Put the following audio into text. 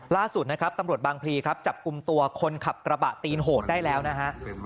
ล่าสุดนะครับตำรวจบางพลีครับจับกลุ่มตัวคนขับกระบะตีนโหดได้แล้วนะฮะ